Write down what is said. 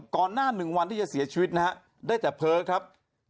ก่อนหน้า๑วันที่จะเสียชีวิตนะฮะได้แต่เพ้อครับ